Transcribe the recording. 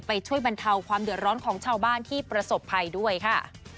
ช่วยบรรเทาความเดือดร้อนของชาวบ้านที่ประสบภัยด้วยค่ะ